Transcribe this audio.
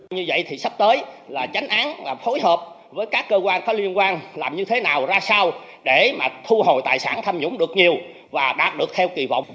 như vậy thì sắp tới là tránh án phối hợp với các cơ quan có liên quan làm như thế nào ra sao để mà thu hồi tài sản tham nhũng được nhiều và đạt được theo kỳ vọng